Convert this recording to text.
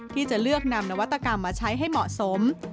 ที่จะเลือกนำนวัตกรรมมาใช้ให้เหมาะสม